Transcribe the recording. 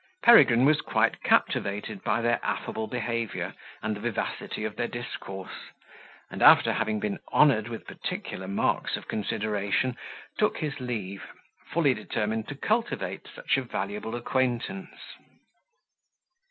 Peregrine was quite captivated by their affable behaviour and the vivacity of their discourse; and, after having been honoured with particular marks of consideration, took his leave, fully determined to cultivate such a valuable acquaintance.